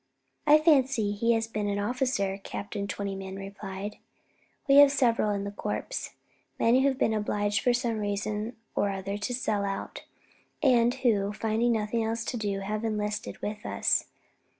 "I fancy he has been an officer," Captain Twentyman replied, "we have several in the corps men who have been obliged for some reason or other to sell out, and who, finding nothing else to do, have enlisted with us.